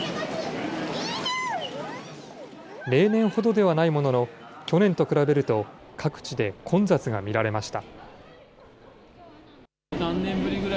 例年ほどではないものの、去年と比べると各地で混雑が見られました。